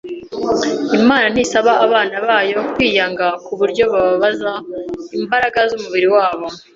Imana ntisaba abana bayo kwiyanga ku buryo bababaza imbaraga z’umubiri wabo.